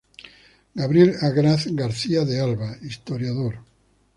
Gabriel Agraz García de Alba: Historiador.